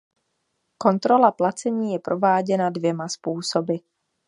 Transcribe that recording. Kontrola placení je prováděna dvěma způsoby.